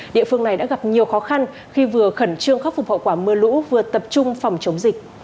địa phương này đã gặp nhiều khó khăn khi vừa khẩn trương khắc phục hậu quả mưa lũ vừa tập trung phòng chống dịch